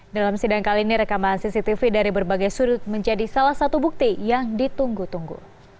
dalam sidang kali ini rekaman cctv dari berbagai sudut menjadi salah satu bukti yang ditunggu tunggu